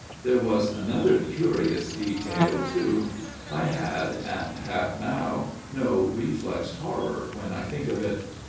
" There was another curious detail too. I had and have now no reflex horror when I think of it.